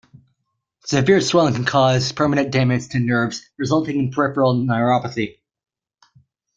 Severe swelling can cause permanent damage to nerves, resulting in peripheral neuropathy.